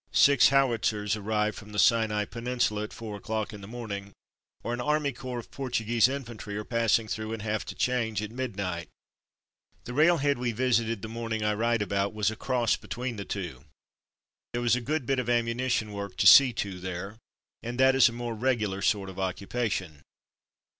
Six howitzers arrive from the Sinai Peninsula at four o'clock in the morning, or an army corps of Portuguese infantry are passing through and have to change at midnight. The railhead we visited the morning I write about was a cross between the two. There was a good bit of ammunition work to see to there, and that is a more regular sort of occupation.